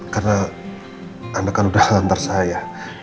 karena anda kan udah lantar saya